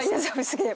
すげえ！